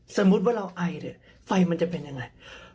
สมมุติว่าเราไอไฟมันจะเป็นอย่างไร